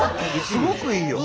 すごくいいよ！